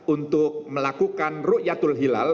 untuk melakukan ru'yah tul hilal